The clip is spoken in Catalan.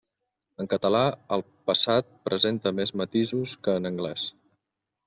En català, el passat presenta més matisos que en anglès.